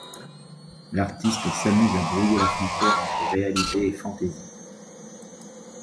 L'artiste s'amuse à brouiller la frontière entre réalité et fantaisie.